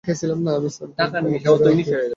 আমি সেলভাম, তাদের আত্মীয়।